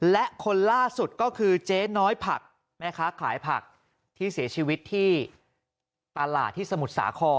และคนล่าสุดก็คือเจ๊น้อยผักแม่ค้าขายผักที่เสียชีวิตที่ตลาดที่สมุทรสาคร